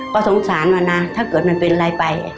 ก็สงสารมันนะถ้าเกิดมันเป็นอะไรไป